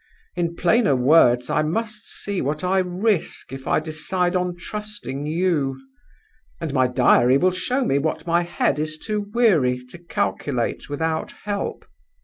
In plainer words I must see what I risk if I decide on trusting you; and my diary will show me what my head is too weary to calculate without help.